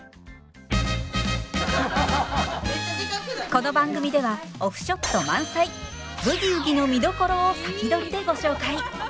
この番組ではオフショット満載！「ブギウギ」の見どころを先取りでご紹介。